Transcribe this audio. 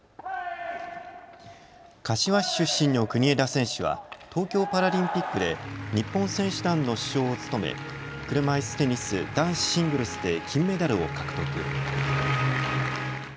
柏市出身の国枝選手は東京パラリンピックで日本選手団の主将を務め、車いすテニス男子シングルスで金メダルを獲得。